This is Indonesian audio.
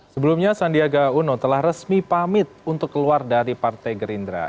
sebelumnya sandiaga uno telah resmi pamit untuk keluar dari partai gerindra